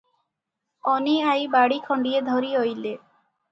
ଅନୀ ଆଈ ବାଡ଼ି ଖଣ୍ଡିଏ ଧରି ଅଇଲେ ।